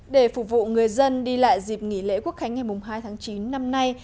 để phục vụ người dân đi lại dịp nghỉ lễ quốc khánh ngày hai tháng chín năm nay